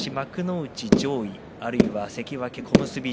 幕内上位、あるいは関脇小結陣